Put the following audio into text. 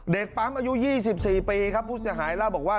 เด็กปั๊มอายุ๒๔ปีครับผู้เสียหายเล่าบอกว่า